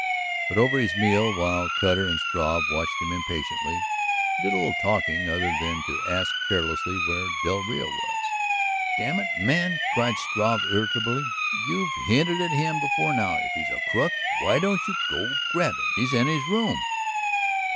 But over his meal, while Cutter and Struve watched him impatiently, he did little talking other than to ask carelessly where del Rio was. "Damn it, man," cried Struve irritably. "You've hinted at him before now. If he's a crook, why don't you go grab him? He's in his room."